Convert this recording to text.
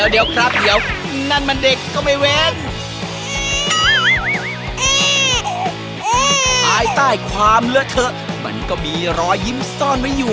เดี๋ยวครับเดี๋ยวนั่นมันเด็กโกหกไปเฟ้น